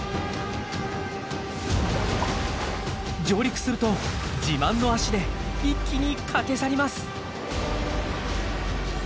上陸すると自慢の足で一気に駆け去ります！